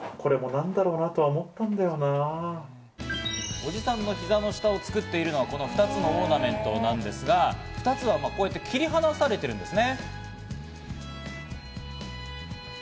おじさんのひざの下を作っているのはこの２つのオーナメントなんですが、２つは切り離されてるんですね。